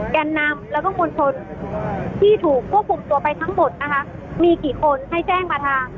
แก่นนำแล้วก็มวลชนที่ถูกควบคุมตัวไปทั้งหมดนะคะมีกี่คนให้แจ้งมาทาง